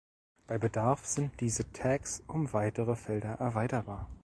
Bei Bedarf sind diese Tags um weitere Felder erweiterbar.